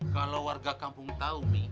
kalau warga kampung tau mi